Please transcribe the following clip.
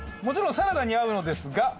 もちろんサラダに合うのですが。